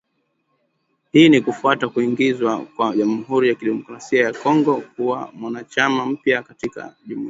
hii ni kufuatia kuingizwa kwa Jamhuri ya Kidemokrasi ya Kongo kuwa mwanachama mpya katika jumuiya hiyo